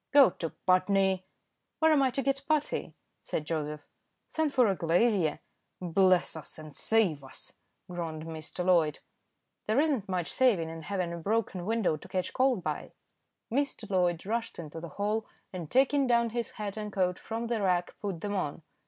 "Go to Putney!" "Where am I to get putty?" said Joseph. "Send for a glazier." "Bless us and save us!" groaned Mr. Loyd. "There isn't much saving in having a broken window to catch cold by." Mr. Loyd rushed into the hall, and taking down his hat and coat from the rack, put them on.